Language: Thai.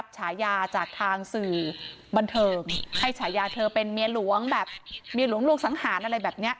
สารนัดยังไง